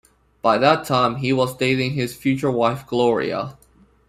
By that time, he was dating his future wife Gloria.